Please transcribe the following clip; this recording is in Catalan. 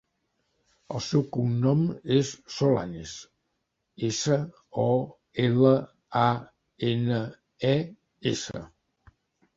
El seu cognom és Solanes: essa, o, ela, a, ena, e, essa.